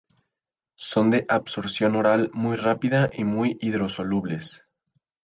Son de absorción oral muy rápida y muy hidrosolubles.